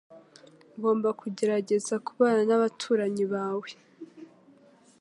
Ugomba kugerageza kubana nabaturanyi bawe